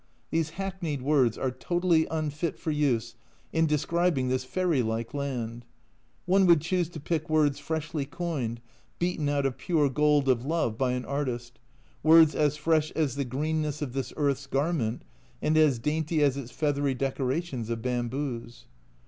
These hackneyed words are totally unfit for use in describing this fairy like land ; one would choose to pick words freshly coined, beaten out of pure gold of love by an artist, words as fresh as the greenness of this earth's garment, and as dainty as its feathery decorations of bamboos.